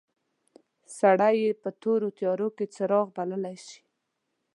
سړی یې په تورو تیارو کې څراغ بللای شي.